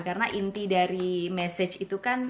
karena inti dari message itu kan